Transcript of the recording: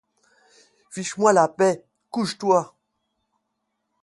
Fiche-moi la paix, couche-toi.